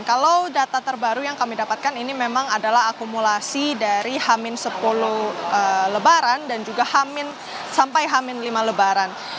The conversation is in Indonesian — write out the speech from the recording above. kalau data terbaru yang kami dapatkan ini memang adalah akumulasi dari hamin sepuluh lebaran dan juga hamin sampai hamin lima lebaran